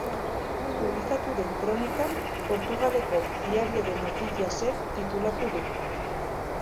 Publikatu den kronika Portugaleko Diario de Noticias-ek titulatu du.